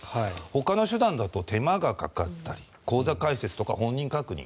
ほかの手段だと手間がかかったり口座開設とか本人確認